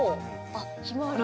あっひまわりだ。